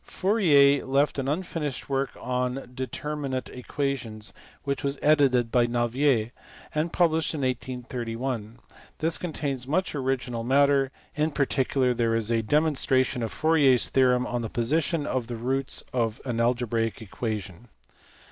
Fourier left an unfinished work on determinate equations which was edited by Navier, and published in 1831 ; this contains much original matter, in particular there is a demon stration of Fourier s theorem on the position of the roots of an algebraical equation.